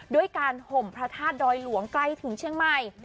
ด้วยการห่มพระธาตุดอยหลวงใกล้ถึงเชียงใหม่